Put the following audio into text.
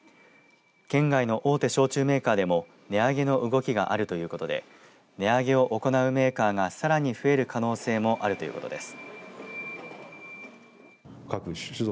県外の大手焼酎メーカーでも値上げの動きがあるということで値上げを行うメーカーがさらに増える可能性もあるということです。